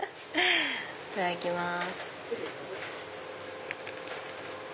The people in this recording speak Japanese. いただきます。